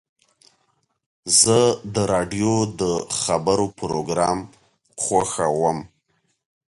زه د راډیو د خبرو پروګرام خوښوم.